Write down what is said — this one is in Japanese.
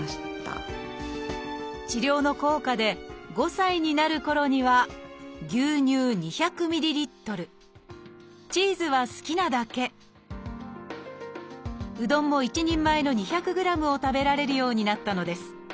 治療の効果で５歳になるころには牛乳２００ｍＬチーズは好きなだけうどんも一人前の２００ｇを食べられるようになったのです。